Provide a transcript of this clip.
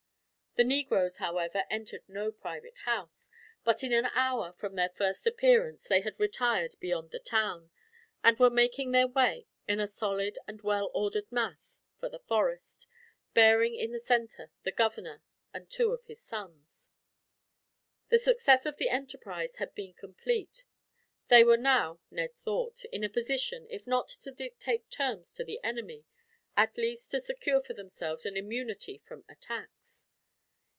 The negroes, however, entered no private house, but in an hour from their first appearance they had retired beyond the town; and were making their way, in a solid and well ordered mass, for the forest, bearing in their center the governor and two of his sons. The success of the enterprise had been complete. They were now, Ned thought, in a position, if not to dictate terms to the enemy, at least to secure for themselves an immunity from attacks.